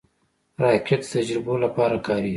راکټ د تجربو لپاره کارېږي